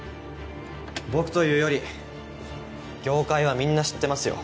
僕というより業界はみんな知ってますよ。